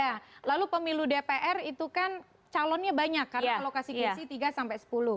ya lalu pemilu dpr itu kan calonnya banyak karena alokasi kursi tiga sampai sepuluh